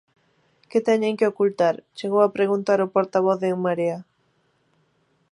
Que teñen que ocultar, chegou a preguntar o portavoz de En Marea.